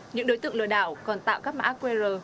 những đối tượng lừa đảo còn tạo các mã qr